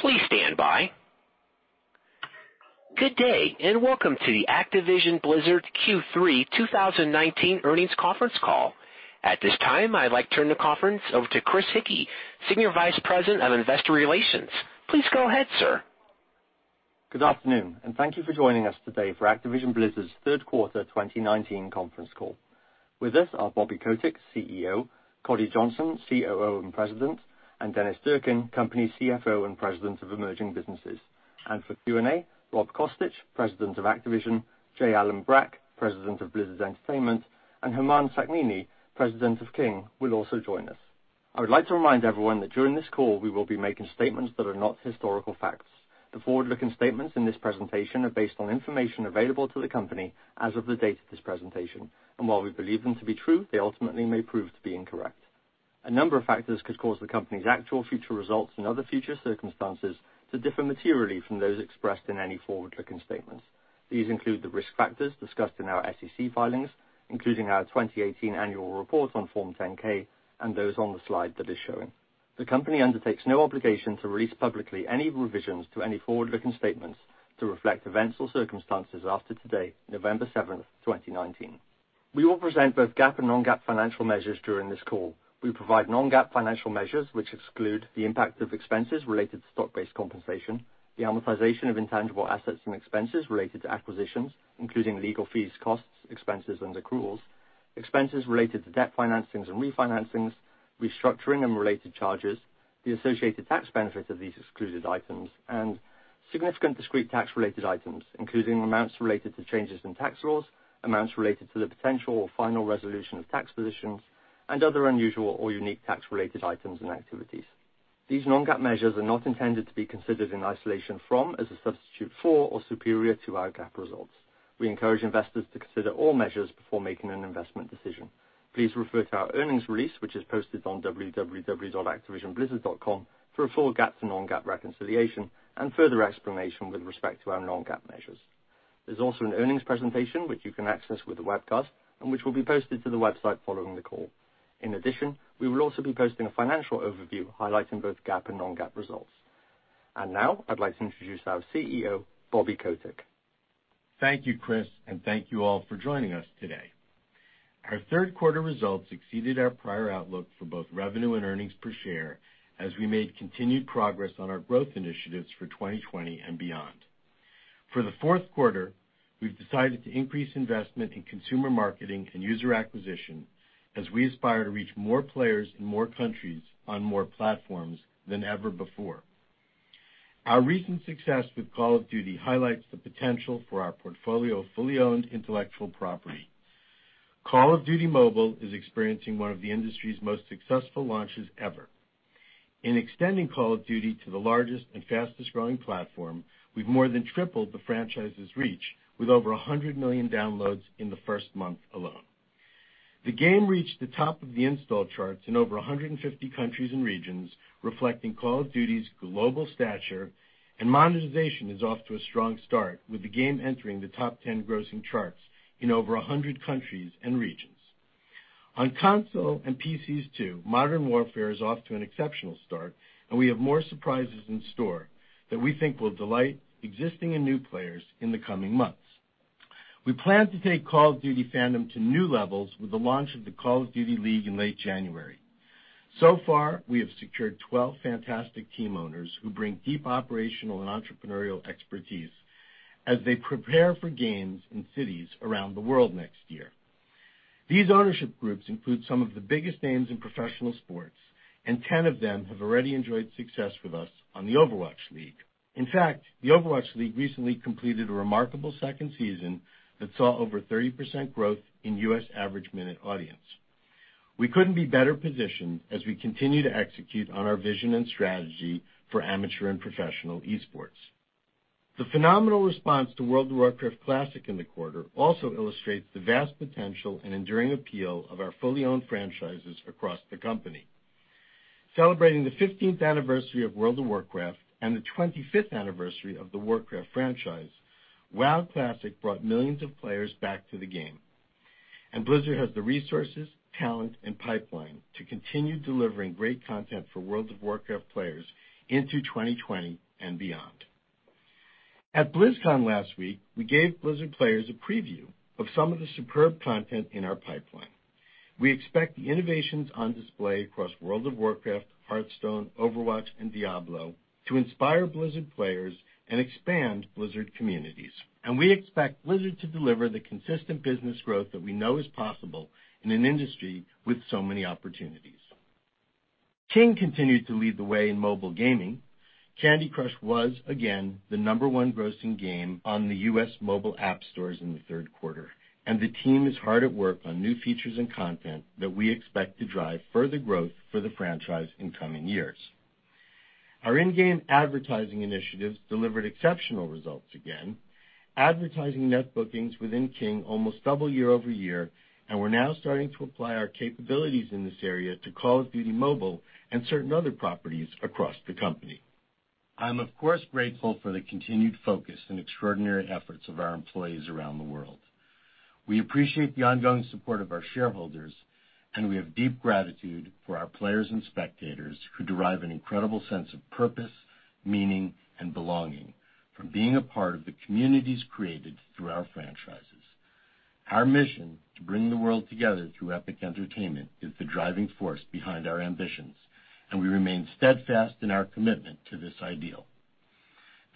Please stand by. Good day, and welcome to the Activision Blizzard Q3 2019 earnings conference call. At this time, I'd like to turn the conference over to Chris Hickey, Senior Vice President of Investor Relations. Please go ahead, sir. Good afternoon, and thank you for joining us today for Activision Blizzard's third quarter 2019 conference call. With us are Bobby Kotick, CEO, Coddy Johnson, COO and President, and Dennis Durkin, Company CFO and President of Emerging Businesses. For Q&A, Rob Kostich, President of Activision, J. Allen Brack, President of Blizzard Entertainment, and Humam Sakhnini, President of King, will also join us. I would like to remind everyone that during this call, we will be making statements that are not historical facts. The forward-looking statements in this presentation are based on information available to the company as of the date of this presentation, and while we believe them to be true, they ultimately may prove to be incorrect. A number of factors could cause the company's actual future results and other future circumstances to differ materially from those expressed in any forward-looking statements. These include the risk factors discussed in our SEC filings, including our 2018 annual report on Form 10-K and those on the slide that is showing. The company undertakes no obligation to release publicly any revisions to any forward-looking statements to reflect events or circumstances after today, November 7th, 2019. We will present both GAAP and non-GAAP financial measures during this call. We provide non-GAAP financial measures, which exclude the impact of expenses related to stock-based compensation, the amortization of intangible assets and expenses related to acquisitions, including legal fees, costs, expenses, and accruals, expenses related to debt financings and refinancings, restructuring and related charges, the associated tax benefit of these excluded items, and significant discrete tax-related items, including amounts related to changes in tax laws, amounts related to the potential or final resolution of tax positions, and other unusual or unique tax-related items and activities. These non-GAAP measures are not intended to be considered in isolation from, as a substitute for, or superior to our GAAP results. We encourage investors to consider all measures before making an investment decision. Please refer to our earnings release, which is posted on www.activisionblizzard.com for a full GAAP to non-GAAP reconciliation and further explanation with respect to our non-GAAP measures. There's also an earnings presentation, which you can access with the webcast and which will be posted to the website following the call. In addition, we will also be posting a financial overview highlighting both GAAP and non-GAAP results. Now I'd like to introduce our CEO, Bobby Kotick. Thank you, Chris, and thank you all for joining us today. Our third quarter results exceeded our prior outlook for both revenue and earnings per share as we made continued progress on our growth initiatives for 2020 and beyond. For the fourth quarter, we've decided to increase investment in consumer marketing and user acquisition as we aspire to reach more players in more countries on more platforms than ever before. Our recent success with Call of Duty highlights the potential for our portfolio of fully owned intellectual property. Call of Duty: Mobile is experiencing one of the industry's most successful launches ever. In extending Call of Duty to the largest and fastest-growing platform, we've more than tripled the franchise's reach with over 100 million downloads in the first month alone. The game reached the top of the install charts in over 150 countries and regions, reflecting Call of Duty's global stature, and monetization is off to a strong start with the game entering the top 10 grossing charts in over 100 countries and regions. On console and PCs too, Modern Warfare is off to an exceptional start, and we have more surprises in store that we think will delight existing and new players in the coming months. We plan to take Call of Duty fandom to new levels with the launch of the Call of Duty League in late January. We have secured 12 fantastic team owners who bring deep operational and entrepreneurial expertise as they prepare for games in cities around the world next year. These ownership groups include some of the biggest names in professional sports. 10 of them have already enjoyed success with us on the Overwatch League. In fact, the Overwatch League recently completed a remarkable second season that saw over 30% growth in U.S. average minute audience. We couldn't be better positioned as we continue to execute on our vision and strategy for amateur and professional esports. The phenomenal response to World of Warcraft Classic in the quarter also illustrates the vast potential and enduring appeal of our fully owned franchises across the company. Celebrating the 15th anniversary of World of Warcraft and the 25th anniversary of the Warcraft franchise, WoW Classic brought millions of players back to the game. Blizzard has the resources, talent, and pipeline to continue delivering great content for World of Warcraft players into 2020 and beyond. At BlizzCon last week, we gave Blizzard players a preview of some of the superb content in our pipeline. We expect the innovations on display across World of Warcraft, Hearthstone, Overwatch, and Diablo to inspire Blizzard players and expand Blizzard communities. We expect Blizzard to deliver the consistent business growth that we know is possible in an industry with so many opportunities. King continued to lead the way in mobile gaming. Candy Crush was again the number one grossing game on the U.S. mobile app stores in the third quarter, and the team is hard at work on new features and content that we expect to drive further growth for the franchise in coming years. Our in-game advertising initiatives delivered exceptional results again. Advertising net bookings within King almost doubled year-over-year, and we're now starting to apply our capabilities in this area to Call of Duty: Mobile and certain other properties across the company. I'm, of course, grateful for the continued focus and extraordinary efforts of our employees around the world. We appreciate the ongoing support of our shareholders, and we have deep gratitude for our players and spectators who derive an incredible sense of purpose, meaning, and belonging from being a part of the communities created through our franchises. Our mission to bring the world together through epic entertainment is the driving force behind our ambitions, and we remain steadfast in our commitment to this ideal.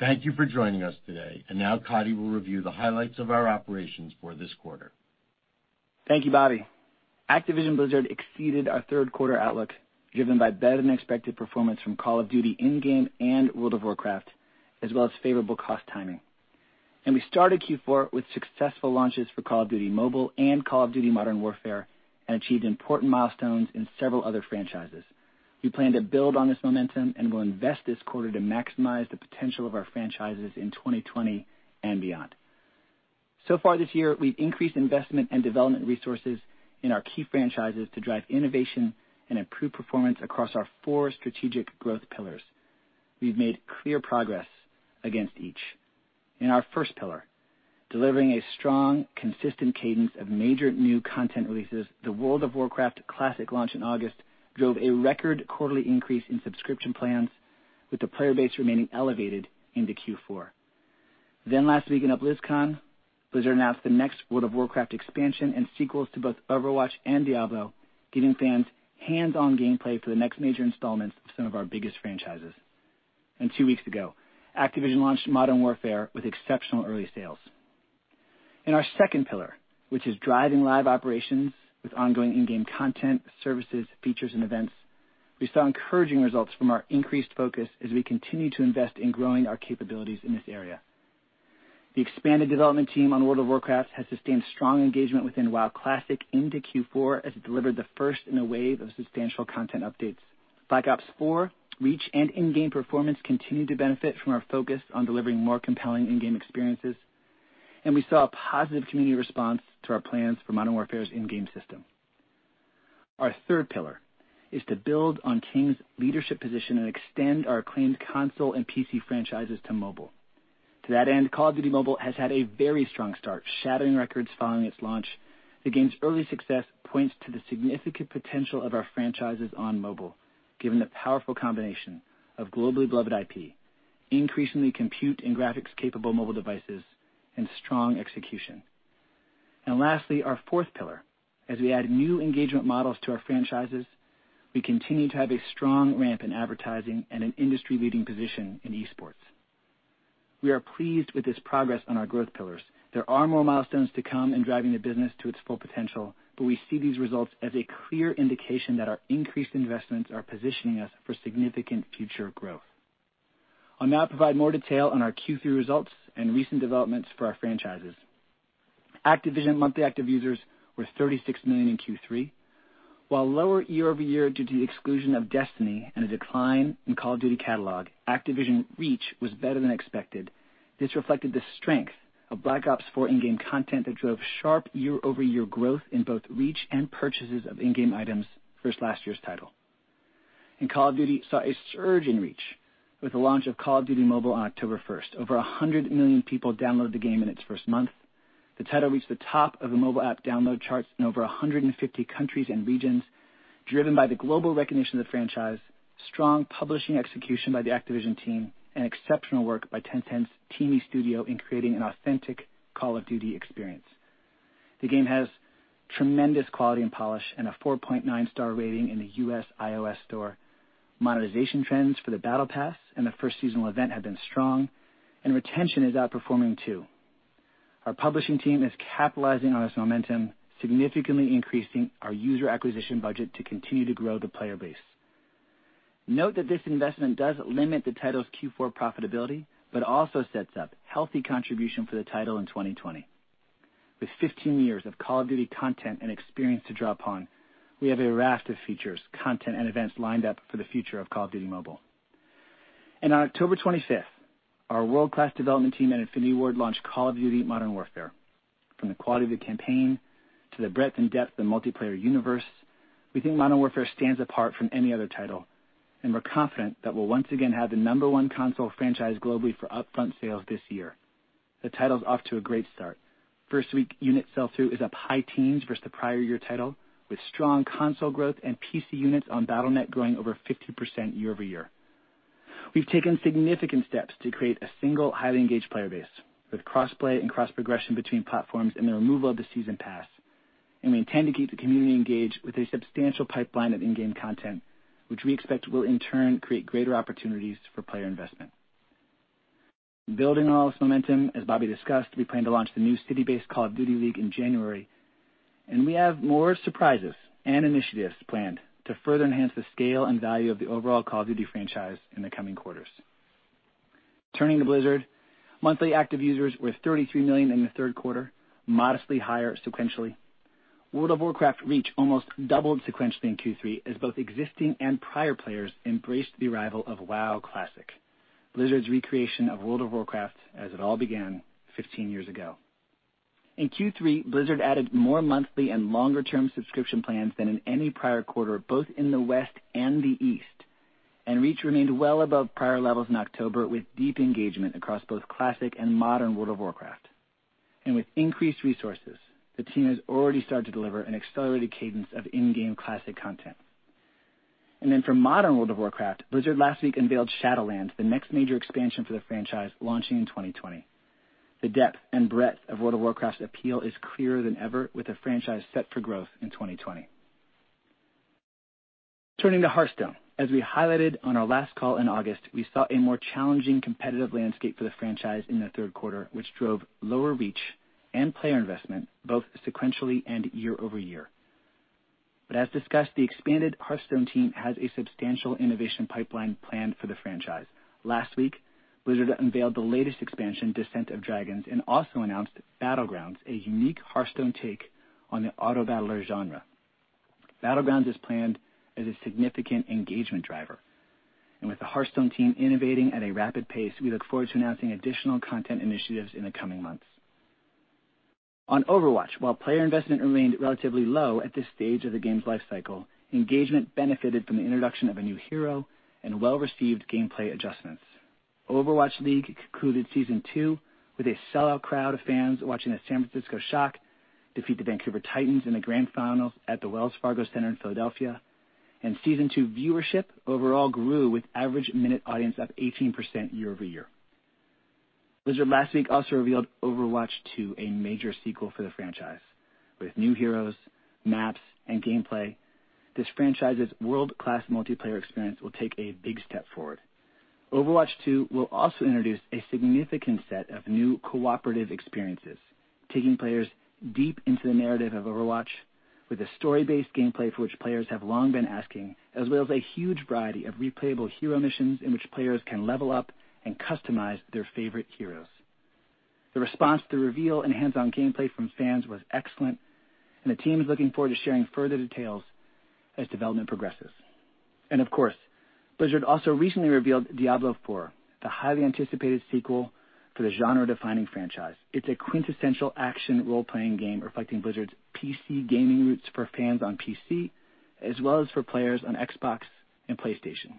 Thank you for joining us today. Now Coddy will review the highlights of our operations for this quarter. Thank you, Bobby. Activision Blizzard exceeded our third quarter outlook, driven by better-than-expected performance from Call of Duty in-game and World of Warcraft, as well as favorable cost timing. We started Q4 with successful launches for Call of Duty: Mobile and Call of Duty: Modern Warfare and achieved important milestones in several other franchises. We plan to build on this momentum and will invest this quarter to maximize the potential of our franchises in 2020 and beyond. Far this year, we've increased investment and development resources in our key franchises to drive innovation and improve performance across our four strategic growth pillars. We've made clear progress against each. In our first pillar, delivering a strong, consistent cadence of major new content releases, the World of Warcraft Classic launch in August drove a record quarterly increase in subscription plans with the player base remaining elevated into Q4. Last week at BlizzCon, Blizzard announced the next World of Warcraft expansion and sequels to both Overwatch and Diablo, giving fans hands-on gameplay for the next major installments of some of our biggest franchises. Two weeks ago, Activision launched Modern Warfare with exceptional early sales. In our second pillar, which is driving live operations with ongoing in-game content, services, features, and events, we saw encouraging results from our increased focus as we continue to invest in growing our capabilities in this area. The expanded development team on World of Warcraft has sustained strong engagement within WoW Classic into Q4 as it delivered the first in a wave of substantial content updates. Black Ops 4 reach and in-game performance continue to benefit from our focus on delivering more compelling in-game experiences, and we saw a positive community response to our plans for Modern Warfare's in-game system. Our third pillar is to build on King's leadership position and extend our acclaimed console and PC franchises to mobile. To that end, Call of Duty: Mobile has had a very strong start, shattering records following its launch. The game's early success points to the significant potential of our franchises on mobile, given the powerful combination of globally beloved IP, increasingly compute and graphics-capable mobile devices, and strong execution. Lastly, our fourth pillar. As we add new engagement models to our franchises, we continue to have a strong ramp in advertising and an industry-leading position in esports. We are pleased with this progress on our growth pillars. There are more milestones to come in driving the business to its full potential, but we see these results as a clear indication that our increased investments are positioning us for significant future growth. I'll now provide more detail on our Q3 results and recent developments for our franchises. Activision monthly active users were 36 million in Q3. While lower year-over-year due to the exclusion of Destiny and a decline in Call of Duty catalog, Activision reach was better than expected. This reflected the strength of Black Ops 4 in-game content that drove sharp year-over-year growth in both reach and purchases of in-game items versus last year's title. Call of Duty saw a surge in reach with the launch of Call of Duty: Mobile on October 1st. Over 100 million people downloaded the game in its first month. The title reached the top of the mobile app download charts in over 150 countries and regions, driven by the global recognition of the franchise, strong publishing execution by the Activision team, and exceptional work by Tencent's TiMi Studio in creating an authentic Call of Duty experience. The game has tremendous quality and polish and a 4.9 star rating in the U.S. iOS store. Monetization trends for the battle pass and the first seasonal event have been strong, and retention is outperforming, too. Our publishing team is capitalizing on this momentum, significantly increasing our user acquisition budget to continue to grow the player base. Note that this investment does limit the title's Q4 profitability, but also sets up healthy contribution for the title in 2020. With 15 years of Call of Duty content and experience to draw upon, we have a raft of features, content, and events lined up for the future of Call of Duty: Mobile. On October 25th, our world-class development team at Infinity Ward launched Call of Duty: Modern Warfare. From the quality of the campaign to the breadth and depth of the multiplayer universe, we think Modern Warfare stands apart from any other title, and we're confident that we'll once again have the number one console franchise globally for upfront sales this year. The title's off to a great start. First week unit sell-through is up high teens versus the prior year title, with strong console growth and PC units on Battle.net growing over 50% year-over-year. We've taken significant steps to create a single, highly engaged player base with cross-play and cross-progression between platforms and the removal of the season pass. We intend to keep the community engaged with a substantial pipeline of in-game content, which we expect will in turn create greater opportunities for player investment. Building on all this momentum, as Bobby discussed, we plan to launch the new city-based Call of Duty League in January, and we have more surprises and initiatives planned to further enhance the scale and value of the overall Call of Duty franchise in the coming quarters. Turning to Blizzard. Monthly active users were 33 million in the third quarter, modestly higher sequentially. World of Warcraft reach almost doubled sequentially in Q3 as both existing and prior players embraced the arrival of WoW Classic, Blizzard's recreation of World of Warcraft as it all began 15 years ago. In Q3, Blizzard added more monthly and longer-term subscription plans than in any prior quarter, both in the West and the East. Reach remained well above prior levels in October, with deep engagement across both classic and modern World of Warcraft. With increased resources, the team has already started to deliver an accelerated cadence of in-game classic content. For modern World of Warcraft, Blizzard last week unveiled Shadowlands, the next major expansion for the franchise, launching in 2020. The depth and breadth of World of Warcraft's appeal is clearer than ever, with the franchise set for growth in 2020. Turning to Hearthstone. As we highlighted on our last call in August, we saw a more challenging competitive landscape for the franchise in the third quarter, which drove lower reach and player investment, both sequentially and year-over-year. As discussed, the expanded Hearthstone team has a substantial innovation pipeline planned for the franchise. Last week, Blizzard unveiled the latest expansion, Descent of Dragons, and also announced Battlegrounds, a unique Hearthstone take on the auto battler genre. Battlegrounds is planned as a significant engagement driver. With the Hearthstone team innovating at a rapid pace, we look forward to announcing additional content initiatives in the coming months. On Overwatch, while player investment remained relatively low at this stage of the game's life cycle, engagement benefited from the introduction of a new hero and well-received gameplay adjustments. Overwatch League concluded Season 2 with a sellout crowd of fans watching the San Francisco Shock defeat the Vancouver Titans in the grand finals at the Wells Fargo Center in Philadelphia. Season 2 viewership overall grew, with average minute audience up 18% year-over-year. Blizzard last week also revealed Overwatch 2, a major sequel for the franchise. With new heroes, maps, and gameplay, this franchise's world-class multiplayer experience will take a big step forward. Overwatch 2 will also introduce a significant set of new cooperative experiences, taking players deep into the narrative of Overwatch, with a story-based gameplay for which players have long been asking, as well as a huge variety of replayable hero missions in which players can level up and customize their favorite heroes. The response to the reveal and hands-on gameplay from fans was excellent, and the team is looking forward to sharing further details as development progresses. Of course, Blizzard also recently revealed Diablo IV, the highly anticipated sequel to the genre-defining franchise. It's a quintessential action role-playing game reflecting Blizzard's PC gaming roots for fans on PC, as well as for players on Xbox and PlayStation.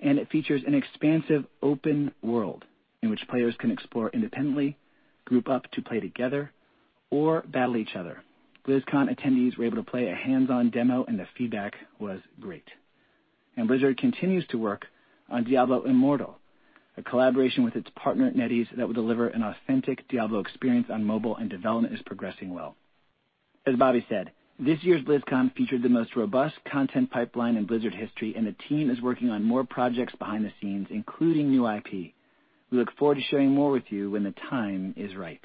It features an expansive open world in which players can explore independently, group up to play together, or battle each other. BlizzCon attendees were able to play a hands-on demo, and the feedback was great. Blizzard continues to work on Diablo Immortal, a collaboration with its partner NetEase that will deliver an authentic Diablo experience on mobile and development is progressing well. As Bobby said, this year's BlizzCon featured the most robust content pipeline in Blizzard history, and the team is working on more projects behind the scenes, including new IP. We look forward to sharing more with you when the time is right.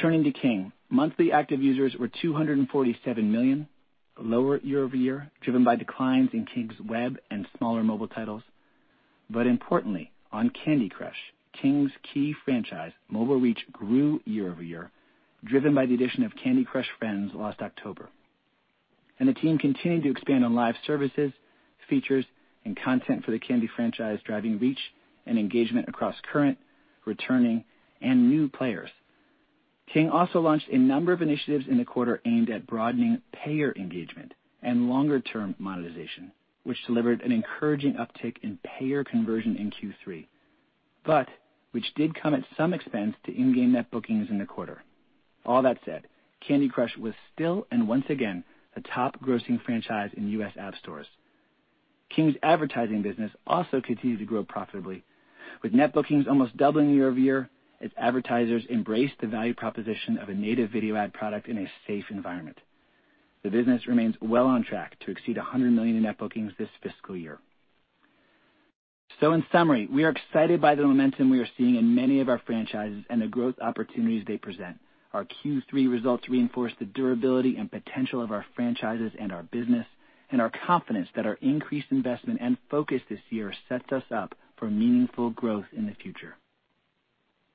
Turning to King. Monthly active users were 247 million, lower year over year, driven by declines in King's web and smaller mobile titles. Importantly, on Candy Crush, King's key franchise mobile reach grew year-over-year, driven by the addition of Candy Crush Friends last October. The team continued to expand on live services, features, and content for the Candy franchise, driving reach and engagement across current, returning, and new players. King also launched a number of initiatives in the quarter aimed at broadening payer engagement and longer-term monetization, which delivered an encouraging uptick in payer conversion in Q3. Which did come at some expense to in-game net bookings in the quarter. All that said, Candy Crush was still and once again, the top grossing franchise in U.S. app stores. King's advertising business also continued to grow profitably, with net bookings almost doubling year-over-year as advertisers embrace the value proposition of a native video ad product in a safe environment. The business remains well on track to exceed $100 million in net bookings this fiscal year. In summary, we are excited by the momentum we are seeing in many of our franchises and the growth opportunities they present. Our Q3 results reinforce the durability and potential of our franchises and our business, and our confidence that our increased investment and focus this year sets us up for meaningful growth in the future.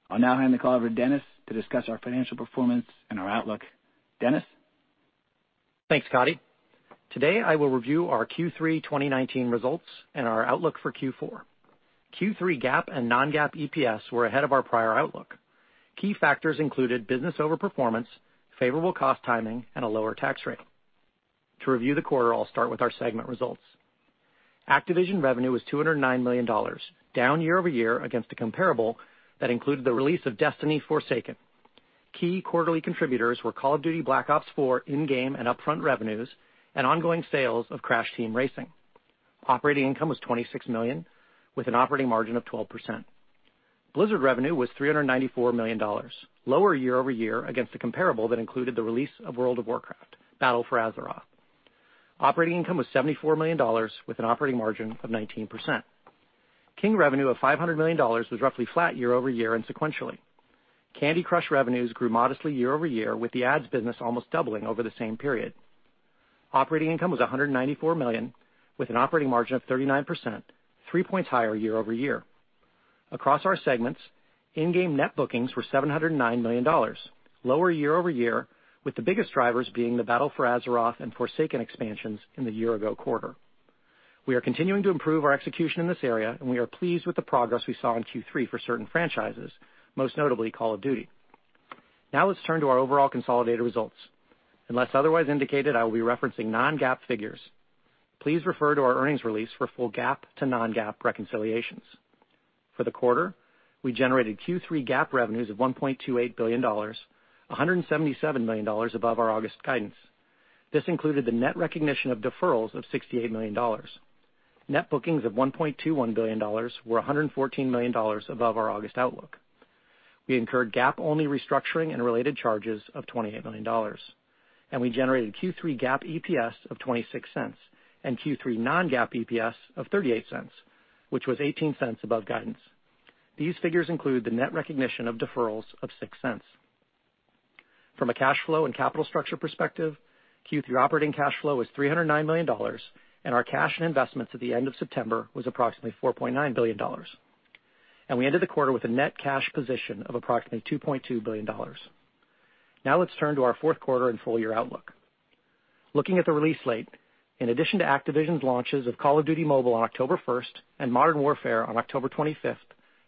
I'll now hand the call over to Dennis to discuss our financial performance and our outlook. Dennis? Thanks, Coddy. Today, I will review our Q3 2019 results and our outlook for Q4. Q3 GAAP and non-GAAP EPS were ahead of our prior outlook. Key factors included business overperformance, favorable cost timing, and a lower tax rate. To review the quarter, I'll start with our segment results. Activision revenue was $209 million, down year-over-year against a comparable that included the release of Destiny: Forsaken. Key quarterly contributors were Call of Duty: Black Ops IV in-game and upfront revenues and ongoing sales of Crash Team Racing. Operating income was $26 million, with an operating margin of 12%. Blizzard revenue was $394 million, lower year-over-year against a comparable that included the release of World of Warcraft: Battle for Azeroth. Operating income was $74 million with an operating margin of 19%. King revenue of $500 million was roughly flat year-over-year and sequentially. Candy Crush revenues grew modestly year-over-year, with the ads business almost doubling over the same period. Operating income was $194 million, with an operating margin of 39%, three points higher year-over-year. Across our segments, in-game net bookings were $709 million, lower year-over-year, with the biggest drivers being the Battle for Azeroth and Forsaken expansions in the year-ago quarter. We are continuing to improve our execution in this area, and we are pleased with the progress we saw in Q3 for certain franchises, most notably Call of Duty. Now let's turn to our overall consolidated results. Unless otherwise indicated, I will be referencing non-GAAP figures. Please refer to our earnings release for full GAAP to non-GAAP reconciliations. For the quarter, we generated Q3 GAAP revenues of $1.28 billion, $177 million above our August guidance. This included the net recognition of deferrals of $68 million. Net bookings of $1.21 billion were $114 million above our August outlook. We incurred GAAP-only restructuring and related charges of $28 million. We generated Q3 GAAP EPS of $0.26 and Q3 non-GAAP EPS of $0.38, which was $0.18 above guidance. These figures include the net recognition of deferrals of $0.06. From a cash flow and capital structure perspective, Q3 operating cash flow was $309 million, and our cash and investments at the end of September was approximately $4.9 billion. We ended the quarter with a net cash position of approximately $2.2 billion. Now let's turn to our fourth quarter and full year outlook. Looking at the release slate, in addition to Activision's launches of Call of Duty: Mobile on October 1st and Modern Warfare on October 25th,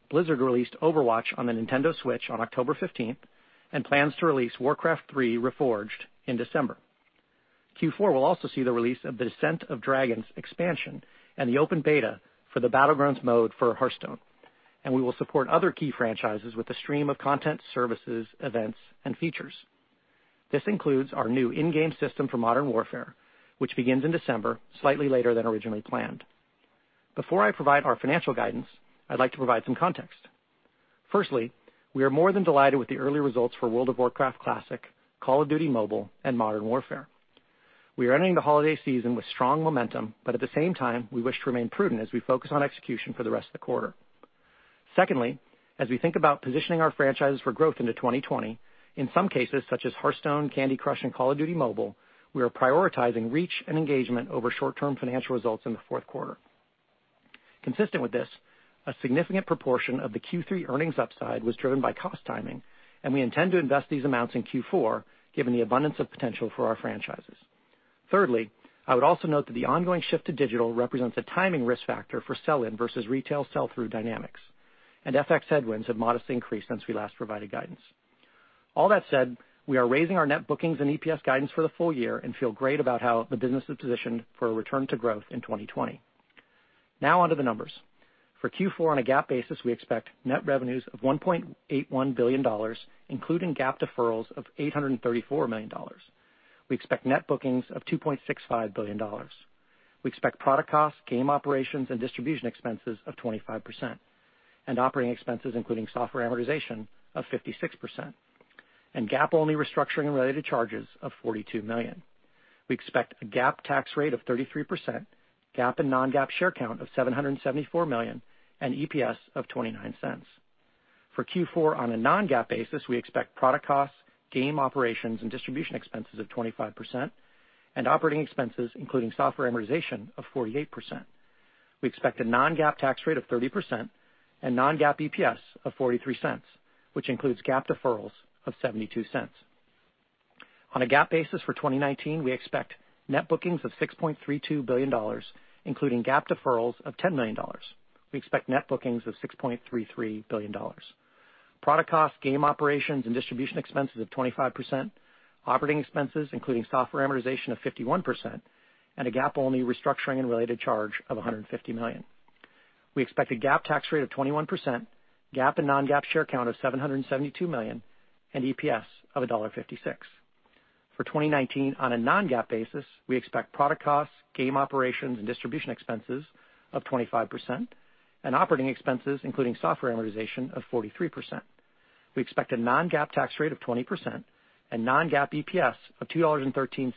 Blizzard released Overwatch on the Nintendo Switch on October 15th and plans to release Warcraft III: Reforged in December. Q4 will also see the release of the Descent of Dragons expansion and the open beta for the battlegrounds mode for Hearthstone. We will support other key franchises with a stream of content, services, events, and features. This includes our new in-game system for Modern Warfare, which begins in December, slightly later than originally planned. Before I provide our financial guidance, I'd like to provide some context. Firstly, we are more than delighted with the early results for World of Warcraft Classic, Call of Duty: Mobile, and Modern Warfare. We are entering the holiday season with strong momentum, but at the same time, we wish to remain prudent as we focus on execution for the rest of the quarter. Secondly, as we think about positioning our franchises for growth into 2020, in some cases, such as Hearthstone, Candy Crush, and Call of Duty: Mobile, we are prioritizing reach and engagement over short-term financial results in the fourth quarter. Consistent with this, a significant proportion of the Q3 earnings upside was driven by cost timing, and we intend to invest these amounts in Q4, given the abundance of potential for our franchises. Thirdly, I would also note that the ongoing shift to digital represents a timing risk factor for sell-in versus retail sell-through dynamics, and FX headwinds have modestly increased since we last provided guidance. We are raising our net bookings and EPS guidance for the full year and feel great about how the business is positioned for a return to growth in 2020. Onto the numbers. For Q4 on a GAAP basis, we expect net revenues of $1.81 billion, including GAAP deferrals of $834 million. We expect net bookings of $2.65 billion. We expect product costs, game operations, and distribution expenses of 25% and operating expenses, including software amortization, of 56%, and GAAP-only restructuring and related charges of $42 million. We expect a GAAP tax rate of 33%, GAAP and non-GAAP share count of 774 million, and EPS of $0.29. For Q4 on a non-GAAP basis, we expect product costs, game operations, and distribution expenses of 25% and operating expenses, including software amortization, of 48%. We expect a non-GAAP tax rate of 30% and non-GAAP EPS of $0.43, which includes GAAP deferrals of $0.72. On a GAAP basis for 2019, we expect net bookings of $6.32 billion, including GAAP deferrals of $10 million. We expect net bookings of $6.33 billion. Product costs, game operations, and distribution expenses of 25%, operating expenses, including software amortization of 51%, and a GAAP-only restructuring and related charge of $150 million. We expect a GAAP tax rate of 21%, GAAP and non-GAAP share count of 772 million, and EPS of $1.56. For 2019 on a non-GAAP basis, we expect product costs, game operations, and distribution expenses of 25% and operating expenses, including software amortization, of 43%. We expect a non-GAAP tax rate of 20% and non-GAAP EPS of $2.13,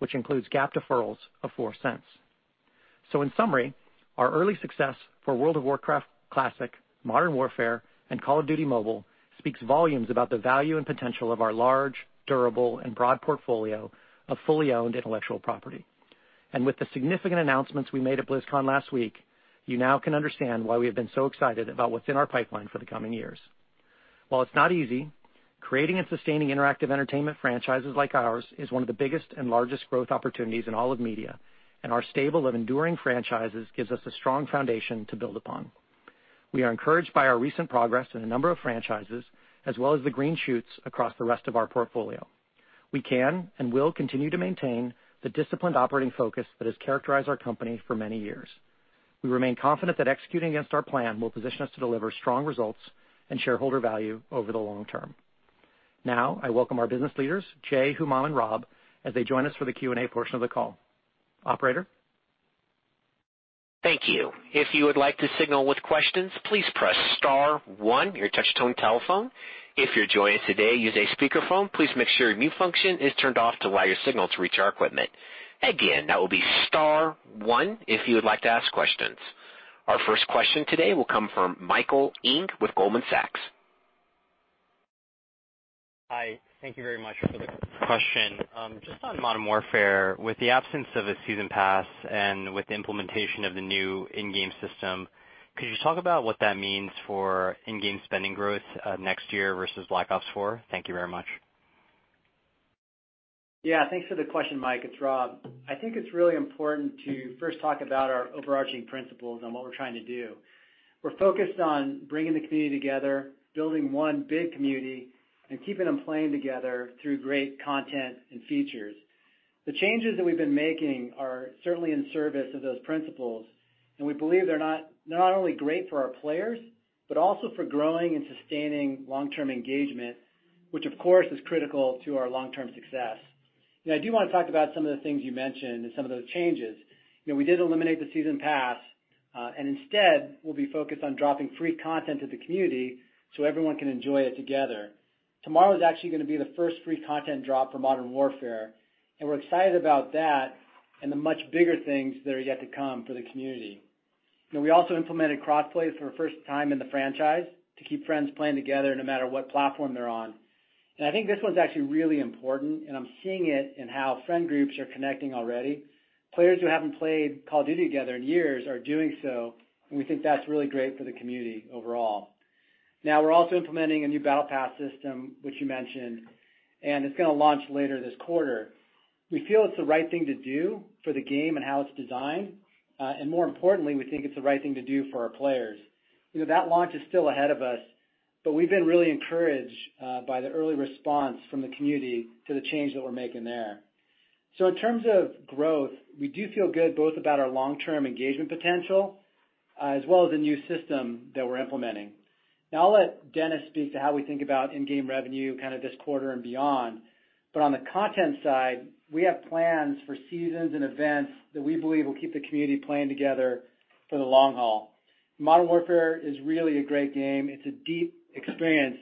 which includes GAAP deferrals of $0.04. In summary, our early success for World of Warcraft Classic, Modern Warfare, and Call of Duty: Mobile speaks volumes about the value and potential of our large, durable, and broad portfolio of fully owned intellectual property. With the significant announcements we made at BlizzCon last week, you now can understand why we have been so excited about what's in our pipeline for the coming years. While it's not easy, creating and sustaining interactive entertainment franchises like ours is one of the biggest and largest growth opportunities in all of media, and our stable of enduring franchises gives us a strong foundation to build upon. We are encouraged by our recent progress in a number of franchises, as well as the green shoots across the rest of our portfolio. We can and will continue to maintain the disciplined operating focus that has characterized our company for many years. We remain confident that executing against our plan will position us to deliver strong results and shareholder value over the long term. I welcome our business leaders, Jay, Humam, and Rob, as they join us for the Q&A portion of the call. Operator? Thank you. If you would like to signal with questions, please press star one on your touch-tone telephone. If you're joining us today using a speakerphone, please make sure your mute function is turned off to allow your signal to reach our equipment. Again, that will be star one if you would like to ask questions. Our first question today will come from Michael Ng with Goldman Sachs. Hi. Thank you very much for the question. Just on Modern Warfare, with the absence of a season pass and with the implementation of the new in-game system, could you talk about what that means for in-game spending growth next year versus Black Ops 4? Thank you very much. Yeah, thanks for the question, Mike. It's Rob. I think it's really important to first talk about our overarching principles and what we're trying to do. We're focused on bringing the community together, building one big community, and keeping them playing together through great content and features. The changes that we've been making are certainly in service of those principles, and we believe they're not only great for our players, but also for growing and sustaining long-term engagement, which, of course, is critical to our long-term success. I do want to talk about some of the things you mentioned and some of those changes. We did eliminate the season pass, and instead, we'll be focused on dropping free content to the community so everyone can enjoy it together. Tomorrow is actually going to be the first free content drop for Modern Warfare, and we're excited about that and the much bigger things that are yet to come for the community. We also implemented cross-plays for the first time in the franchise to keep friends playing together no matter what platform they're on. I think this one's actually really important, and I'm seeing it in how friend groups are connecting already. Players who haven't played Call of Duty together in years are doing so, and we think that's really great for the community overall. Now, we're also implementing a new battle pass system, which you mentioned, and it's going to launch later this quarter. We feel it's the right thing to do for the game and how it's designed. More importantly, we think it's the right thing to do for our players. That launch is still ahead of us. We've been really encouraged by the early response from the community to the change that we're making there. In terms of growth, we do feel good both about our long-term engagement potential as well as the new system that we're implementing. I'll let Dennis speak to how we think about in-game revenue kind of this quarter and beyond. On the content side, we have plans for seasons and events that we believe will keep the community playing together for the long haul. "Modern Warfare" is really a great game. It's a deep experience,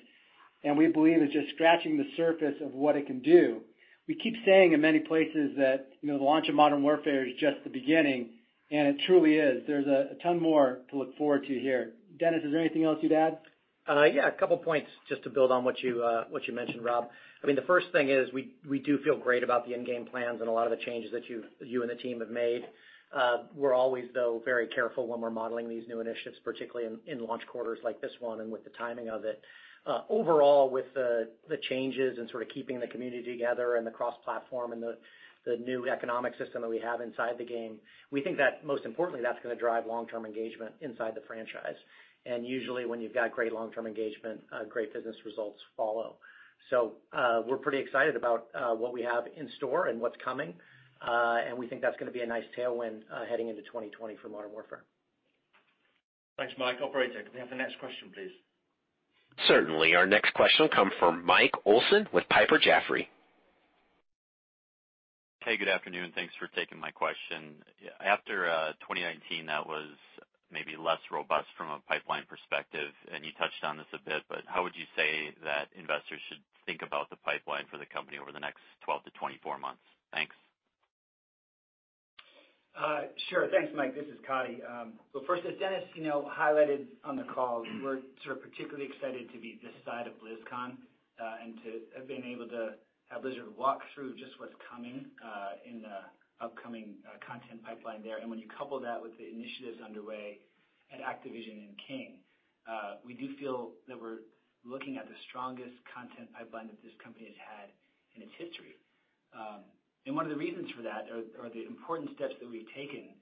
and we believe it's just scratching the surface of what it can do. We keep saying in many places that the launch of "Modern Warfare" is just the beginning, and it truly is. There's a ton more to look forward to here. Dennis, is there anything else you'd add? Yeah. A couple of points just to build on what you mentioned, Rob. The first thing is we do feel great about the in-game plans and a lot of the changes that you and the team have made. We're always, though, very careful when we're modeling these new initiatives, particularly in launch quarters like this one, and with the timing of it. Overall, with the changes and sort of keeping the community together and the cross-platform and the new economic system that we have inside the game, we think that most importantly, that's going to drive long-term engagement inside the franchise. Usually, when you've got great long-term engagement, great business results follow. We're pretty excited about what we have in store and what's coming. We think that's going to be a nice tailwind heading into 2020 for Modern Warfare. Thanks, Mike. Operator, can we have the next question, please? Certainly. Our next question will come from Mike Olson with Piper Jaffray. Hey, good afternoon. Thanks for taking my question. After 2019, that was maybe less robust from a pipeline perspective, you touched on this a bit, how would you say that investors should think about the pipeline for the company over the next 12 to 24 months? Thanks. Sure. Thanks, Mike. This is Coddy. Well, first, as Dennis highlighted on the call, we're sort of particularly excited to be this side of BlizzCon and to have been able to have Blizzard walk through just what's coming in the upcoming content pipeline there. When you couple that with the initiatives underway at Activision and King, we do feel that we're looking at the strongest content pipeline that this company has had in its history. One of the reasons for that are the important steps that we've taken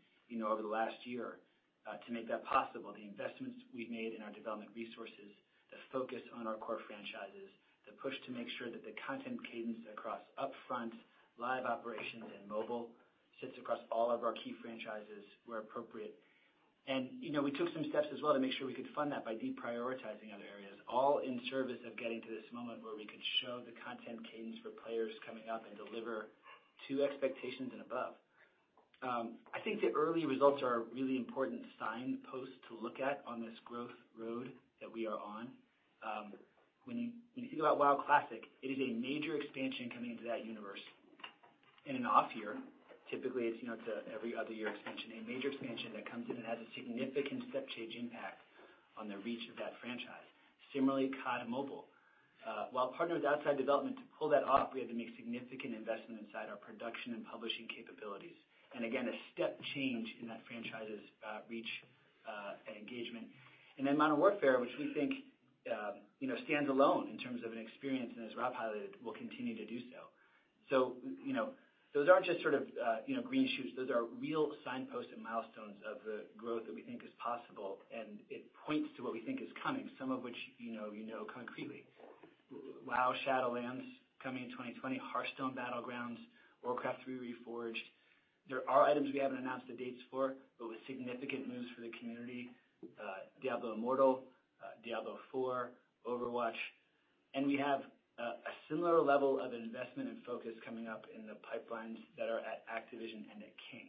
over the last year to make that possible. The investments we've made in our development resources, the focus on our core franchises, the push to make sure that the content cadence across upfront live operations and mobile sits across all of our key franchises where appropriate. We took some steps as well to make sure we could fund that by deprioritizing other areas, all in service of getting to this moment where we could show the content cadence for players coming up and deliver to expectations and above. I think the early results are a really important signpost to look at on this growth road that we are on. When you think about WoW Classic, it is a major expansion coming into that universe in an off year. Typically, it's an every other year expansion. A major expansion that comes in and has a significant step change impact on the reach of that franchise. Similarly, CoD: Mobile. While partnered with outside development to pull that off, we had to make significant investment inside our production and publishing capabilities. Again, a step change in that franchise's reach and engagement. 'Modern Warfare,' which we think stands alone in terms of an experience, and as Rob highlighted, will continue to do so. Those aren't just sort of green shoots. Those are real signposts and milestones of the growth that we think is possible, and it points to what we think is coming, some of which you know concretely. 'WoW Shadowlands' coming in 2020. 'Hearthstone Battlegrounds,' 'Warcraft III: Reforged.' There are items we haven't announced the dates for, but with significant moves for the community. 'Diablo Immortal,' 'Diablo IV,' 'Overwatch,' and we have a similar level of investment and focus coming up in the pipelines that are at Activision and at King.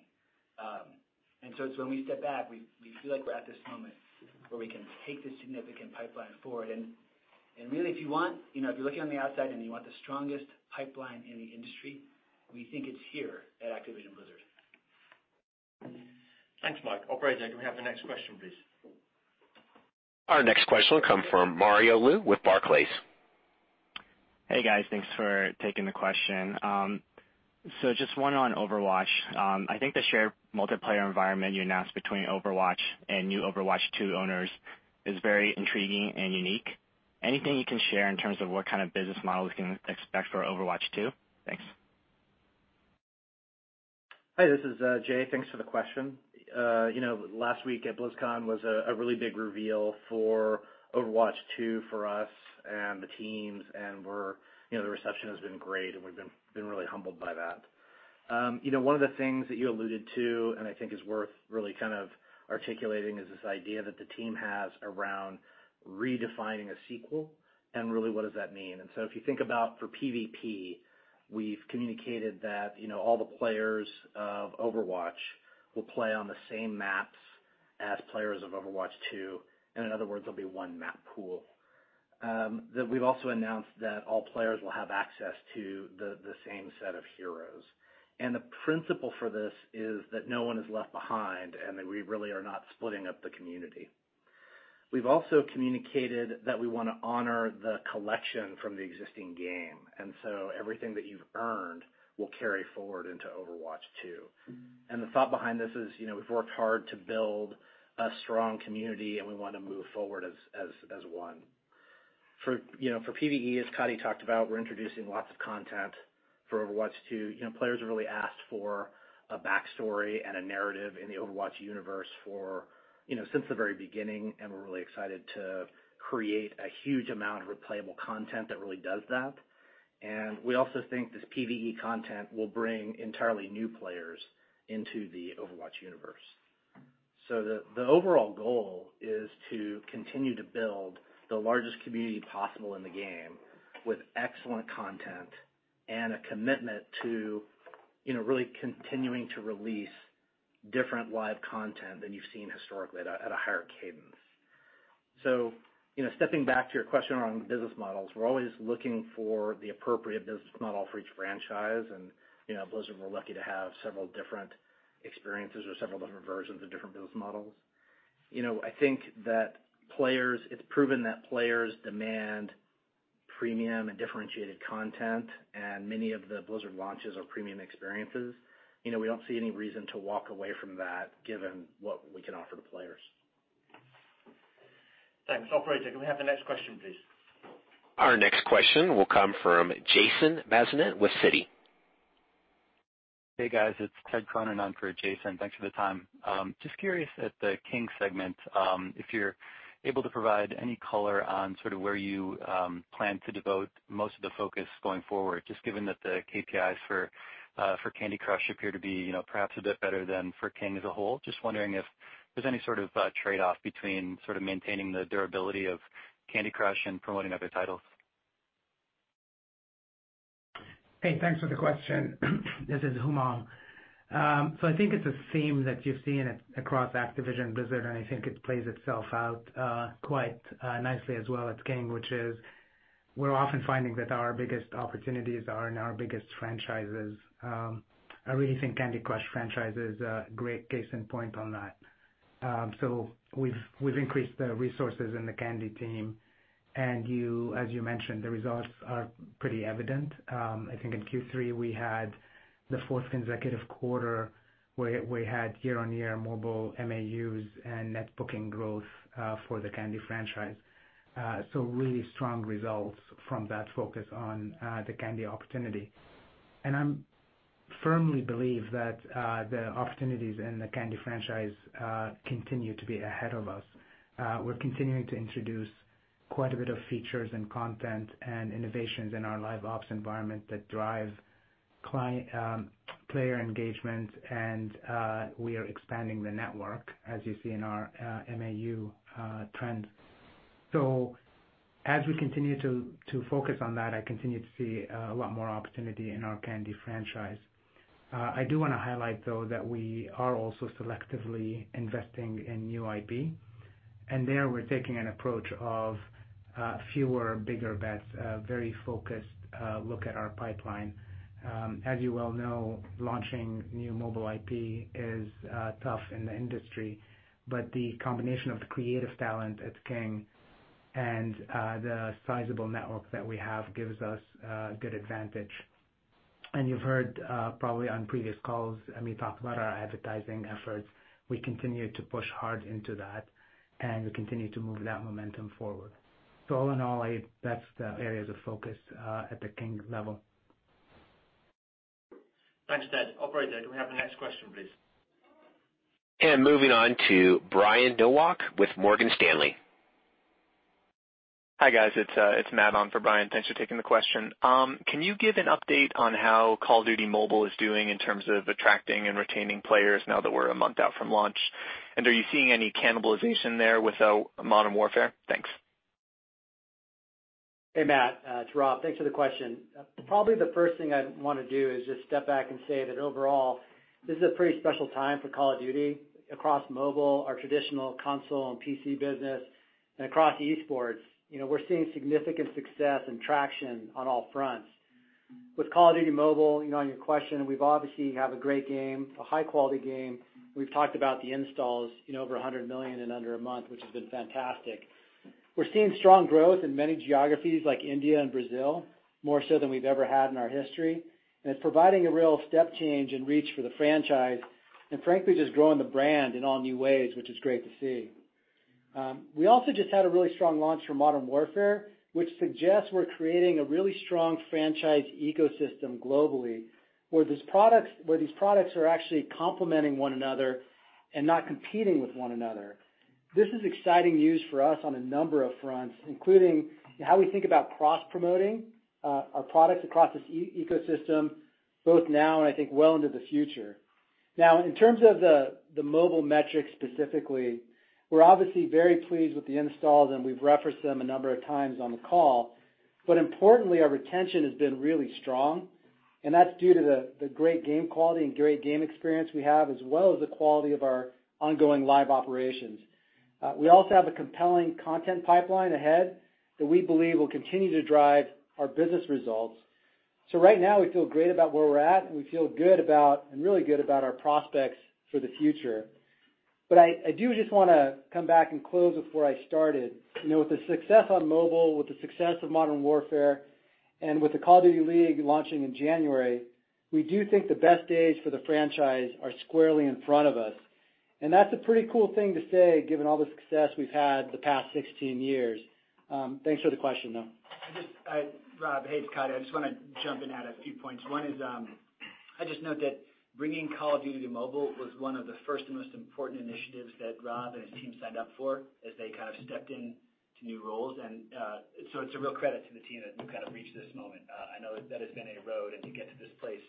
It's when we step back, we feel like we're at this moment where we can take this significant pipeline forward. Really, if you're looking on the outside and you want the strongest pipeline in the industry, we think it's here at Activision Blizzard. Thanks, Mike. Operator, can we have the next question, please? Our next question will come from Mario Lu with Barclays. Hey, guys. Thanks for taking the question. Just one on Overwatch. I think the shared multiplayer environment you announced between Overwatch and new Overwatch 2 owners is very intriguing and unique. Anything you can share in terms of what kind of business model we can expect for Overwatch 2? Thanks. Hi, this is Jay. Thanks for the question. Last week at BlizzCon was a really big reveal for "Overwatch 2" for us and the teams, and the reception has been great, and we've been really humbled by that. One of the things that you alluded to, and I think is worth really articulating, is this idea that the team has around redefining a sequel and really what does that mean. If you think about for PVP, we've communicated that all the players of "Overwatch" will play on the same maps as players of "Overwatch 2." In other words, there'll be one map pool. We've also announced that all players will have access to the same set of heroes. The principle for this is that no one is left behind and that we really are not splitting up the community. We've also communicated that we want to honor the collection from the existing game, everything that you've earned will carry forward into Overwatch 2. The thought behind this is, we've worked hard to build a strong community, and we want to move forward as one. For PVE, as Coddy talked about, we're introducing lots of content for Overwatch 2. Players have really asked for a backstory and a narrative in the Overwatch universe since the very beginning, and we're really excited to create a huge amount of replayable content that really does that. We also think this PVE content will bring entirely new players into the Overwatch universe. The overall goal is to continue to build the largest community possible in the game with excellent content and a commitment to really continuing to release different live content than you've seen historically at a higher cadence. Stepping back to your question around business models, we're always looking for the appropriate business model for each franchise. At Blizzard, we're lucky to have several different experiences or several different versions of different business models. I think that it's proven that players demand premium and differentiated content, and many of the Blizzard launches are premium experiences. We don't see any reason to walk away from that given what we can offer the players. Thanks. Operator, can we have the next question, please? Our next question will come from Jason Bazinet with Citi. Hey, guys. It's Ted Cronan on for Jason. Thanks for the time. Just curious at the King segment, if you're able to provide any color on sort of where you plan to devote most of the focus going forward, just given that the KPIs for Candy Crush appear to be perhaps a bit better than for King as a whole. Just wondering if there's any sort of trade-off between sort of maintaining the durability of Candy Crush and promoting other titles. Hey, thanks for the question. This is Humam. I think it's a theme that you've seen across Activision Blizzard, and I think it plays itself out quite nicely as well at King, which is we're often finding that our biggest opportunities are in our biggest franchises. I really think Candy Crush franchise is a great case in point on that. We've increased the resources in the Candy team, and as you mentioned, the results are pretty evident. I think in Q3 we had the fourth consecutive quarter where we had year-on-year mobile MAUs and net booking growth for the Candy franchise. Really strong results from that focus on the Candy opportunity. I firmly believe that the opportunities in the Candy franchise continue to be ahead of us. We're continuing to introduce quite a bit of features and content and innovations in our live ops environment that drive player engagement. We are expanding the network, as you see in our MAU trend. As we continue to focus on that, I continue to see a lot more opportunity in our Candy franchise. I do want to highlight, though, that we are also selectively investing in new IP. There we're taking an approach of fewer bigger bets, a very focused look at our pipeline. As you well know, launching new mobile IP is tough in the industry. The combination of the creative talent at King and the sizable network that we have gives us a good advantage. You've heard probably on previous calls, me talk about our advertising efforts. We continue to push hard into that. We continue to move that momentum forward. All in all, that's the areas of focus at the King level. Thanks, Ted. Operator, do we have the next question, please? Moving on to Brian Nowak with Morgan Stanley. Hi, guys. It's Matt on for Brian. Thanks for taking the question. Can you give an update on how Call of Duty: Mobile is doing in terms of attracting and retaining players now that we're a month out from launch? Are you seeing any cannibalization there with Modern Warfare? Thanks. Hey, Matt. It's Rob. Thanks for the question. Probably the first thing I'd want to do is just step back and say that overall, this is a pretty special time for Call of Duty across mobile, our traditional console and PC business, and across esports. We're seeing significant success and traction on all fronts. With Call of Duty: Mobile, on your question, we obviously have a great game, a high-quality game. We've talked about the installs, over 100 million in under a month, which has been fantastic. We're seeing strong growth in many geographies like India and Brazil, more so than we've ever had in our history, and it's providing a real step change in reach for the franchise and frankly, just growing the brand in all new ways, which is great to see. We also just had a really strong launch for Modern Warfare, which suggests we're creating a really strong franchise ecosystem globally, where these products are actually complementing one another and not competing with one another. This is exciting news for us on a number of fronts, including how we think about cross-promoting our products across this ecosystem, both now and I think well into the future. Now, in terms of the mobile metrics specifically, we're obviously very pleased with the installs, and we've referenced them a number of times on the call. Importantly, our retention has been really strong, and that's due to the great game quality and great game experience we have as well as the quality of our ongoing live operations. We also have a compelling content pipeline ahead that we believe will continue to drive our business results. Right now, we feel great about where we're at, and we feel really good about our prospects for the future. I do just want to come back and close with where I started. With the success on mobile, with the success of Modern Warfare, and with the Call of Duty League launching in January, we do think the best days for the franchise are squarely in front of us. That's a pretty cool thing to say given all the success we've had the past 16 years. Thanks for the question, though. Rob, hey, it's Coddy. I just want to jump in at a few points. One is, I just note that bringing Call of Duty to mobile was one of the first and most important initiatives that Rob and his team signed up for as they kind of stepped into new roles. It's a real credit to the team that you've kind of reached this moment. I know that has been a road, and to get to this place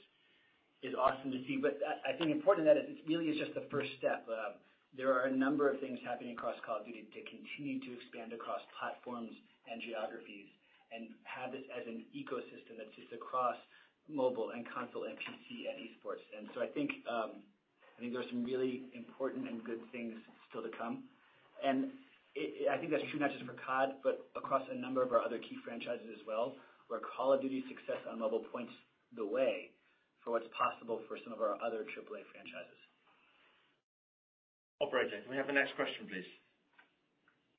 is awesome to see. I think important that it really is just the first step. There are a number of things happening across Call of Duty to continue to expand across platforms and geographies and have this as an ecosystem that sits across mobile and console and PC and esports. I think there are some really important and good things still to come. I think that's true not just for COD, but across a number of our other key franchises as well, where Call of Duty's success on mobile points the way for what's possible for some of our other AAA franchises. Operator, can we have the next question, please?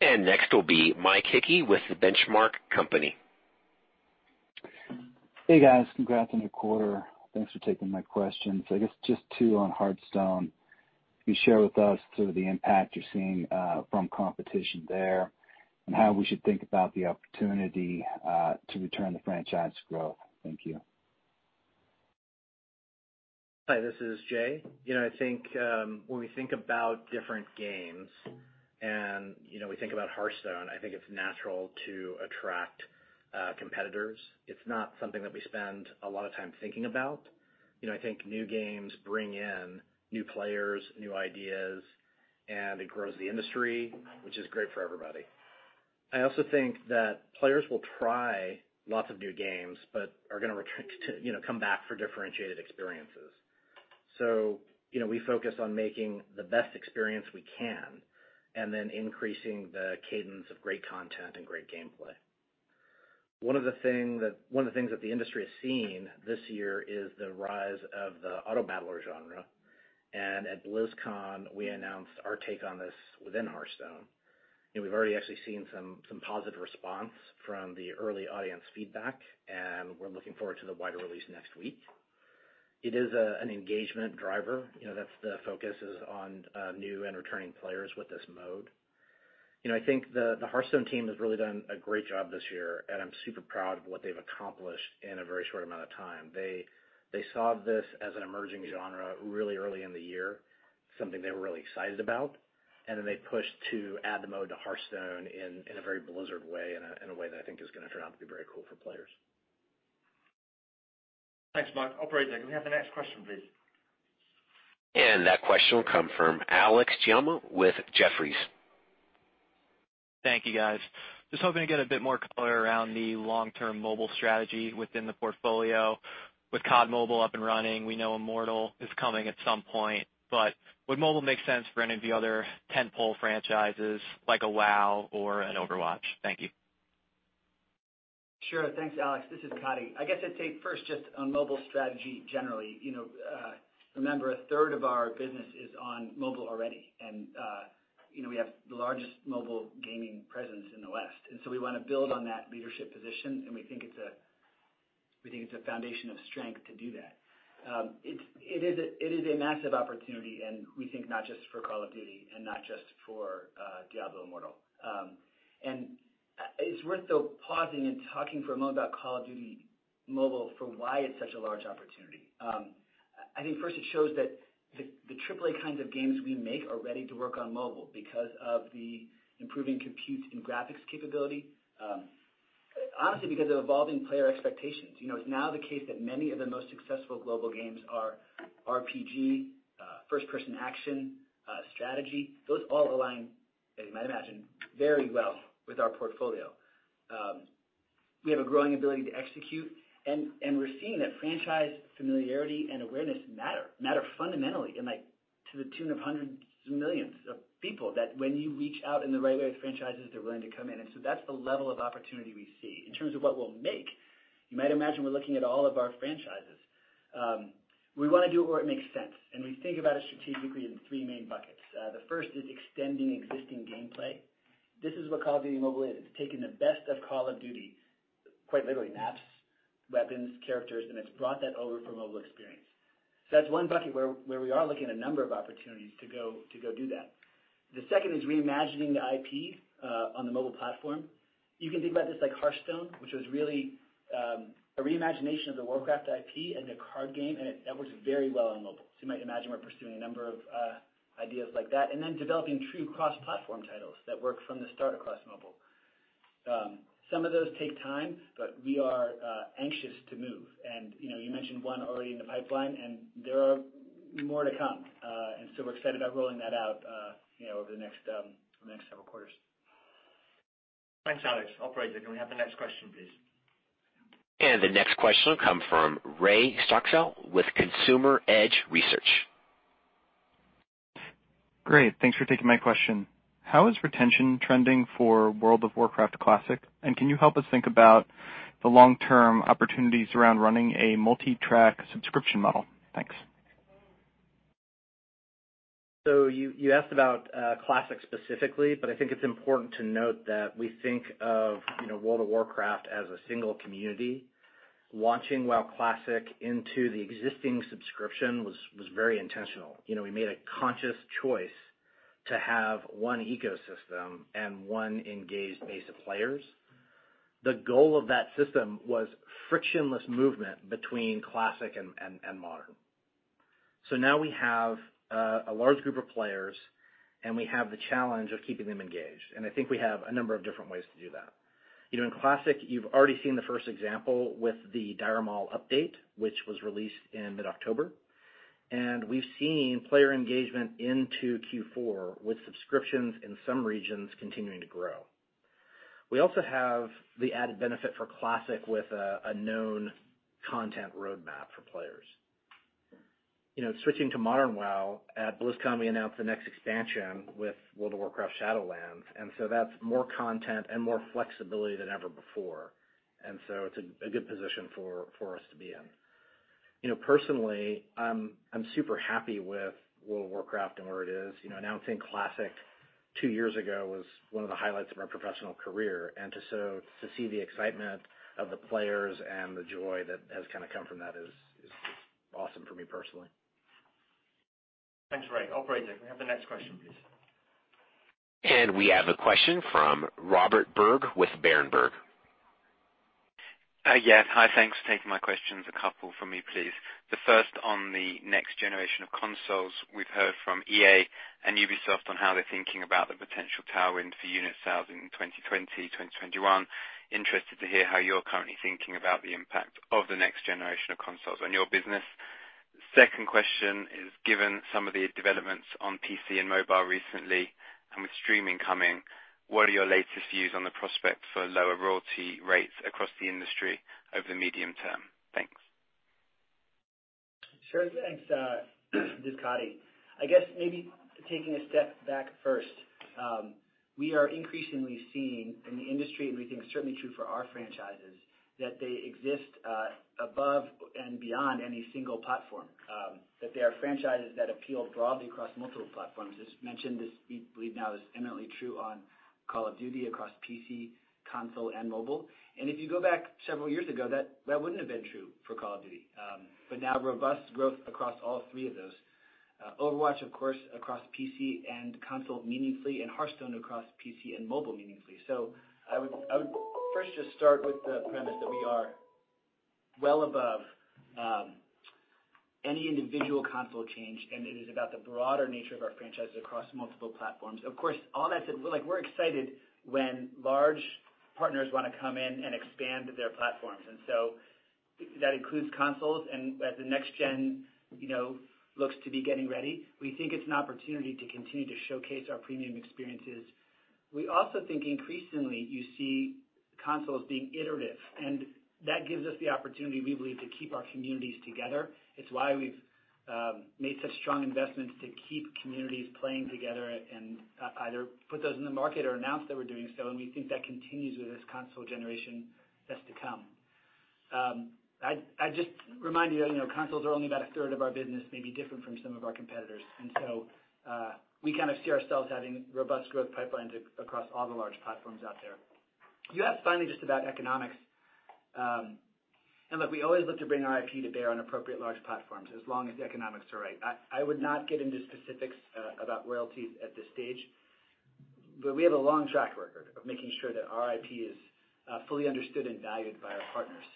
Next will be Mike Hickey with The Benchmark Company. Hey, guys. Congrats on your quarter. Thanks for taking my questions. I guess just two on Hearthstone. Can you share with us sort of the impact you're seeing from competition there and how we should think about the opportunity to return the franchise growth? Thank you. Hi, this is Jay. I think when we think about different games and we think about Hearthstone, I think it's natural to attract competitors. It's not something that we spend a lot of time thinking about. I think new games bring in new players, new ideas, and it grows the industry, which is great for everybody. I also think that players will try lots of new games but are going to come back for differentiated experiences. We focus on making the best experience we can and then increasing the cadence of great content and great gameplay. One of the things that the industry has seen this year is the rise of the auto-battler genre. At BlizzCon, we announced our take on this within Hearthstone. We've already actually seen some positive response from the early audience feedback, and we're looking forward to the wider release next week. It is an engagement driver. The focus is on new and returning players with this mode. I think the Hearthstone team has really done a great job this year. I'm super proud of what they've accomplished in a very short amount of time. They saw this as an emerging genre really early in the year, something they were really excited about. They pushed to add the mode to Hearthstone in a very Blizzard way, in a way that I think is going to turn out to be very cool for players. Thanks, Mike. Operator, can we have the next question, please? That question will come from Alex Giaimo with Jefferies. Thank you, guys. Just hoping to get a bit more color around the long-term mobile strategy within the portfolio. With COD Mobile up and running, we know Immortal is coming at some point. Would mobile make sense for any of the other tent-pole franchises like a WoW or an Overwatch? Thank you. Sure. Thanks, Alex. This is Coddy. I guess I'd say first just on mobile strategy generally. Remember, a third of our business is on mobile already, and we have the largest mobile gaming presence in the West. We want to build on that leadership position, and we think it's a foundation of strength to do that. It is a massive opportunity, and we think not just for Call of Duty and not just for Diablo Immortal. It's worth, though, pausing and talking for a moment about Call of Duty: Mobile for why it's such a large opportunity. I think first it shows that the AAA kinds of games we make are ready to work on mobile because of the improving compute and graphics capability. Honestly, because of evolving player expectations. It's now the case that many of the most successful global games are RPG, first-person action, strategy. Those all align, as you might imagine, very well with our portfolio. We have a growing ability to execute, and we're seeing that franchise familiarity and awareness matter. Matter fundamentally, and to the tune of hundreds of millions of people, that when you reach out in the right way with franchises, they're willing to come in. That's the level of opportunity we see. In terms of what we'll make, you might imagine we're looking at all of our franchises. We want to do it where it makes sense, and we think about it strategically in three main buckets. The first is extending existing gameplay. This is what Call of Duty: Mobile is. It's taking the best of Call of Duty- Quite literally maps, weapons, characters, and it's brought that over for mobile experience. That's one bucket where we are looking at a number of opportunities to go do that. The second is reimagining the IP on the mobile platform. You can think about this like Hearthstone, which was really a reimagination of the Warcraft IP and a card game, and it works very well on mobile. You might imagine we're pursuing a number of ideas like that, developing true cross-platform titles that work from the start across mobile. Some of those take time, we are anxious to move. You mentioned one already in the pipeline, and there are more to come. We're excited about rolling that out over the next several quarters. Thanks, Alex. Operator, can we have the next question, please? The next question will come from Ray Stochel with Consumer Edge Research. Great. Thanks for taking my question. How is retention trending for World of Warcraft Classic? Can you help us think about the long-term opportunities around running a multi-track subscription model? Thanks. You asked about Classic specifically, but I think it's important to note that we think of World of Warcraft as a single community. Launching WoW Classic into the existing subscription was very intentional. We made a conscious choice to have one ecosystem and one engaged base of players. The goal of that system was frictionless movement between Classic and Modern. Now we have a large group of players, and we have the challenge of keeping them engaged. I think we have a number of different ways to do that. In Classic, you've already seen the first example with the Dire Maul update, which was released in mid-October. We've seen player engagement into Q4 with subscriptions in some regions continuing to grow. We also have the added benefit for Classic with a known content roadmap for players. Switching to Modern WoW, at BlizzCon we announced the next expansion with World of Warcraft: Shadowlands, that's more content and more flexibility than ever before. It's a good position for us to be in. Personally, I'm super happy with World of Warcraft and where it is. Announcing Classic two years ago was one of the highlights of my professional career. To see the excitement of the players and the joy that has come from that is awesome for me personally. Thanks, Ray. Operator, can we have the next question, please? We have a question from Robert Berg with Berenberg. Yes. Hi, thanks for taking my questions. A couple from me, please. The first on the next generation of consoles. We've heard from EA and Ubisoft on how they're thinking about the potential tailwind for unit sales in 2020, 2021. Interested to hear how you're currently thinking about the impact of the next generation of consoles on your business. Second question is, given some of the developments on PC and mobile recently, and with streaming coming, what are your latest views on the prospects for lower royalty rates across the industry over the medium term? Thanks. Sure. Thanks, this is Coddy. I guess maybe taking a step back first. We are increasingly seeing in the industry, and we think it's certainly true for our franchises, that they exist above and beyond any single platform, that they are franchises that appeal broadly across multiple platforms. Just to mention this, we believe now is eminently true on Call of Duty across PC, console, and mobile. If you go back several years ago, that wouldn't have been true for Call of Duty. Now robust growth across all three of those. Overwatch, of course, across PC and console meaningfully, and Hearthstone across PC and mobile meaningfully. I would first just start with the premise that we are well above any individual console change, and it is about the broader nature of our franchises across multiple platforms. Of course, all that said, we're excited when large partners want to come in and expand their platforms. That includes consoles. As the next gen looks to be getting ready, we think it's an opportunity to continue to showcase our premium experiences. We also think increasingly you see consoles being iterative, and that gives us the opportunity, we believe, to keep our communities together. It's why we've made such strong investments to keep communities playing together and either put those in the market or announce that we're doing so, and we think that continues with this console generation that's to come. I'd just remind you, consoles are only about a third of our business, maybe different from some of our competitors. We kind of see ourselves having robust growth pipelines across all the large platforms out there. You asked finally just about economics. Look, we always look to bring our IP to bear on appropriate large platforms as long as the economics are right. I would not get into specifics about royalties at this stage. We have a long track record of making sure that our IP is fully understood and valued by our partners.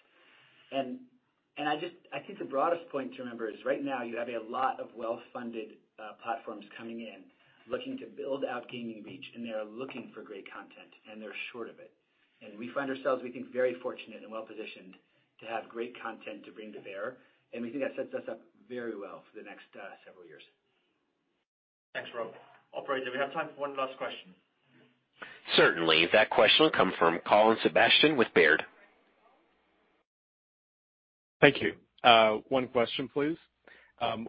I think the broadest point to remember is right now you have a lot of well-funded platforms coming in looking to build out gaming reach, and they're looking for great content, and they're short of it. We find ourselves, we think, very fortunate and well-positioned to have great content to bring to bear, and we think that sets us up very well for the next several years. Thanks, Rob. Operator, do we have time for one last question? Certainly. That question will come from Colin Sebastian with Baird. Thank you. One question, please.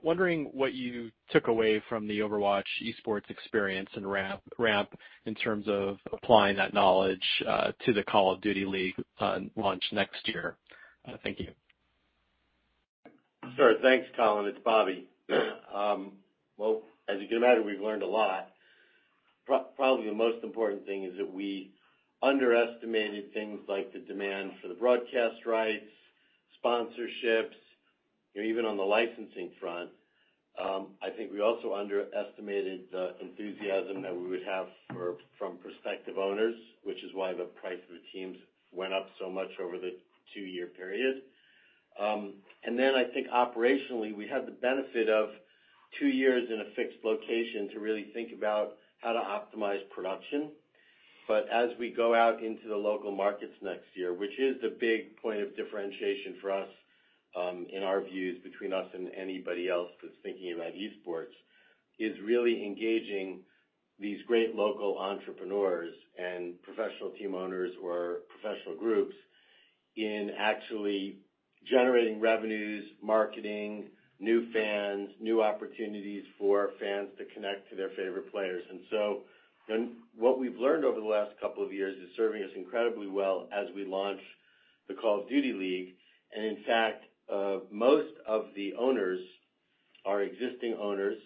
Wondering what you took away from the Overwatch esports experience and ramp in terms of applying that knowledge to the Call of Duty League launch next year. Thank you. Sure. Thanks, Colin. It's Bobby. Well, as you can imagine, we've learned a lot. Probably the most important thing is that we underestimated things like the demand for the broadcast rights, sponsorships, even on the licensing front. I think we also underestimated the enthusiasm that we would have from prospective owners, which is why the price of the teams went up so much over the two-year period. I think operationally, we had the benefit of two years in a fixed location to really think about how to optimize production. As we go out into the local markets next year, which is the big point of differentiation for us, in our views, between us and anybody else that's thinking about esports, is really engaging these great local entrepreneurs and professional team owners or professional groups in actually generating revenues, marketing, new fans, new opportunities for fans to connect to their favorite players. What we've learned over the last couple of years is serving us incredibly well as we launch the Call of Duty League. In fact, most of the owners are existing owners,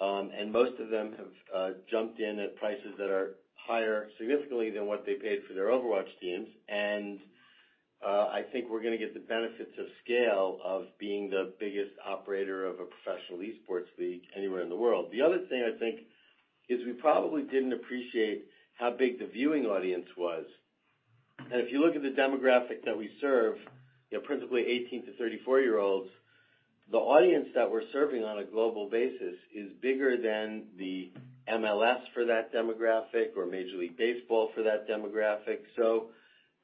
and most of them have jumped in at prices that are higher significantly than what they paid for their Overwatch teams. I think we're going to get the benefits of scale of being the biggest operator of a professional esports league anywhere in the world. The other thing, I think, is we probably didn't appreciate how big the viewing audience was. If you look at the demographic that we serve, principally 18 to 34-year-olds, the audience that we're serving on a global basis is bigger than the MLS for that demographic or Major League Baseball for that demographic.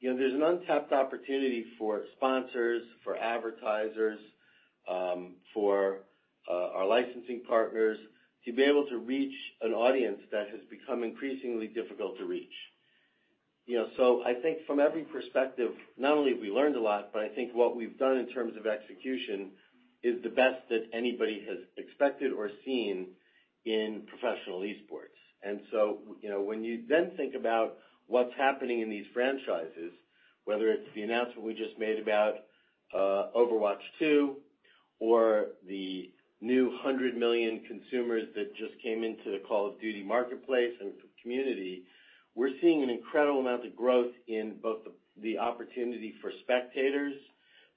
There's an untapped opportunity for sponsors, for advertisers, for our licensing partners to be able to reach an audience that has become increasingly difficult to reach. I think from every perspective, not only have we learned a lot, but I think what we've done in terms of execution is the best that anybody has expected or seen in professional esports. When you then think about what's happening in these franchises, whether it's the announcement we just made about Overwatch 2 or the new 100 million consumers that just came into the Call of Duty marketplace and community, we're seeing an incredible amount of growth in both the opportunity for spectators,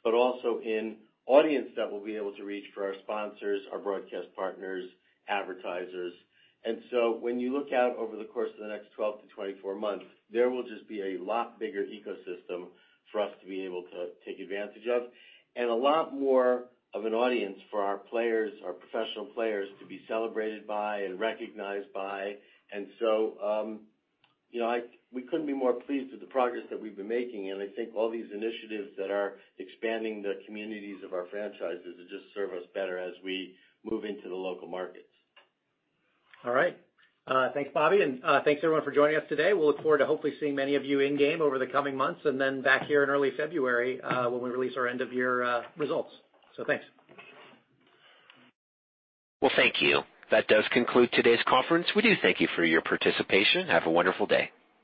but also in audience that we'll be able to reach for our sponsors, our broadcast partners, advertisers. When you look out over the course of the next 12 to 24 months, there will just be a lot bigger ecosystem for us to be able to take advantage of, and a lot more of an audience for our players, our professional players, to be celebrated by and recognized by. We couldn't be more pleased with the progress that we've been making. I think all these initiatives that are expanding the communities of our franchises will just serve us better as we move into the local markets. All right. Thanks, Bobby, and thanks everyone for joining us today. We'll look forward to hopefully seeing many of you in-game over the coming months, and then back here in early February, when we release our end-of-year results. Thanks. Well, thank you. That does conclude today's conference. We do thank you for your participation. Have a wonderful day.